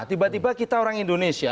tiba tiba kita orang indonesia